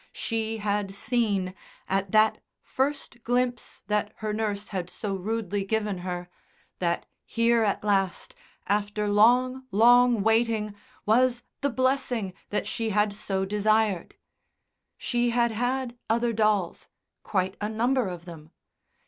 She had seen, at that first glimpse that her nurse had so rudely given her, that here at last, after long, long waiting, was the blessing that she had so desired. She had had other dolls quite a number of them.